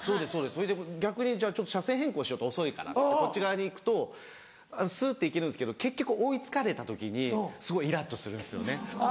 それで逆にじゃあちょっと車線変更しようと遅いからってこっち側に行くとすって行けるんですけど結局追い付かれた時にすごいイラっとするんですよね。